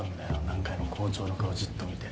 何回も校長の顔じっと見て。